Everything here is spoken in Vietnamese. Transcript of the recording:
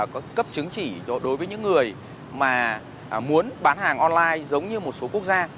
có cấp chứng chỉ đối với những người mà muốn bán hàng online giống như một số quốc gia